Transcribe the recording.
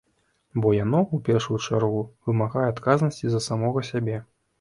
Бо яно, у першую чаргу, вымагае адказнасці за самога сябе.